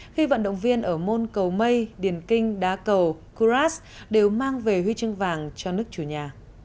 khi vận động viên ở môn cầu mây điền kinh đá cầu kuras đều mang về huy chương vàng cho nước chủ nhà